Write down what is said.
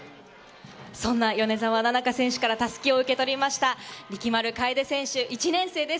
そんな米澤奈々香選手から襷を受け取りました、力丸楓選手・１年生です。